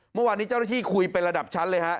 เมื่อวานนี้เจ้าหน้าที่คุยเป็นระดับชั้นเลยฮะ